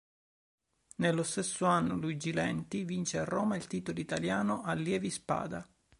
Nello stesso anno Luigi Lenti vince a Roma il titolo italiano allievi spada.